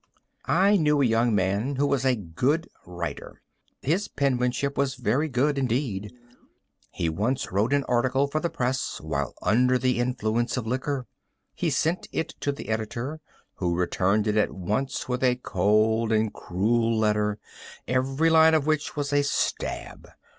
I knew a young man who was a good writer. His penmanship was very good, indeed. He once wrote an article for the press while under the influence of liquor. He sent it to the editor, who returned it at once with a cold and cruel letter, every line of which was a stab.